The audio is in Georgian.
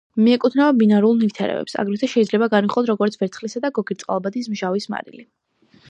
მიეკუთვნება ბინარულ ნივთიერებებს, აგრეთვე შეიძლება განვიხილოთ, როგორც ვერცხლისა და გოგირდწყალბადის მჟავის მარილი.